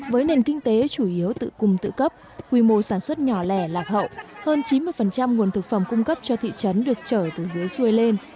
với nền kinh tế chủ yếu tự cung tự cấp quy mô sản xuất nhỏ lẻ lạc hậu hơn chín mươi nguồn thực phẩm cung cấp cho thị trấn được trở từ dưới xuôi lên